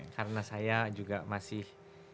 karena saya juga masih